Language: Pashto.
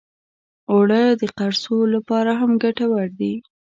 اوړه د قرصو لپاره هم ګټور دي